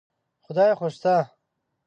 خدای خو شته.